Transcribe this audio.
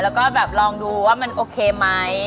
แล้วก็แบบลองดูว่ามันโอเคไหม